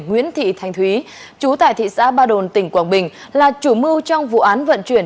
nguyễn thị thành thúy chú tại thị xã ba đồn tỉnh quảng bình là chủ mưu trong vụ án vận chuyển